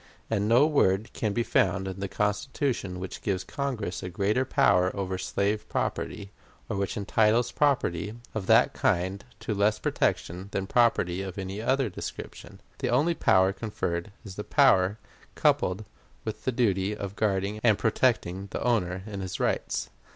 And no word can be found in the Constitution which gives Congress a greater power over slave property, or which entitles property of that kind to less protection than property of any other description. The only power conferred is the power coupled with the duty of guarding and protecting the owner in his rights.